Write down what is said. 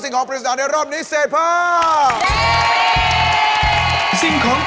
ซึ่งของพัฒนาในรอบนี้เศษภาพ